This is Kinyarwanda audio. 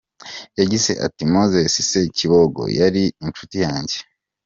Yagize ati “Moses Ssekibogo yari inshuti yanjye.